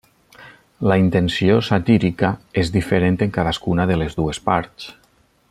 La intenció satírica és diferent en cadascuna de les dues parts.